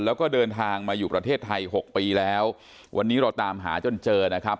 แล้วก็เดินทางมาอยู่ประเทศไทยหกปีแล้ววันนี้เราตามหาจนเจอนะครับ